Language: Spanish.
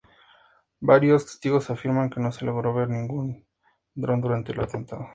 Varios testigos afirman que no se logró ver ningún dron durante el atentado.